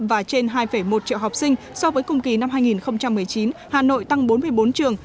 và trên hai một triệu học sinh so với cùng kỳ năm hai nghìn một mươi chín hà nội tăng bốn mươi bốn trường